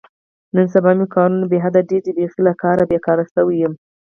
نن سبا مې کارونه بې حده ډېر دي، بیخي له کاره بېگاره شوی یم.